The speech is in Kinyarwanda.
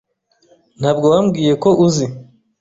Ntabwo wambwiye ko uzi